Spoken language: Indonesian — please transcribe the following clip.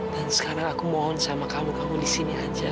dan sekarang aku mohon sama kamu kamu di sini aja